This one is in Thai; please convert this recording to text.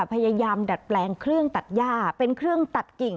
พยายามดัดแปลงเครื่องตัดย่าเป็นเครื่องตัดกิ่ง